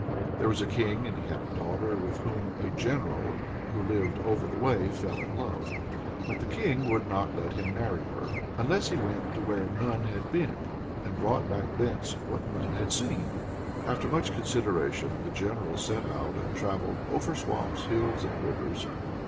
There was a king, and he had a daughter with whom a general who lived over the way fell in love. But the king would not let him marry her unless he went where none had been, and brought back thence what none had seen. After much consideration the general set out and travelled "over swamps, hill, and rivers."